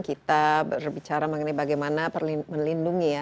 kita berbicara mengenai bagaimana perlindungan anak anak indonesia